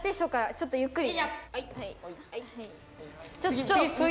ちょっとゆっくりね。